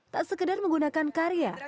tak sekedar menggunakan karya